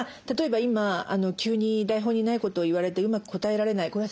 例えば今急に台本にないことを言われてうまく答えられない。